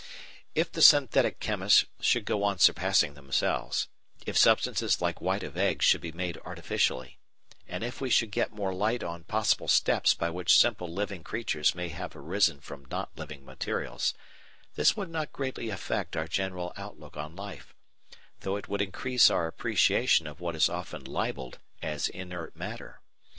If the synthetic chemists should go on surpassing themselves, if substances like white of egg should be made artificially, and if we should get more light on possible steps by which simple living creatures may have arisen from not living materials, this would not greatly affect our general outlook on life, though it would increase our appreciation of what is often libelled as "inert" matter.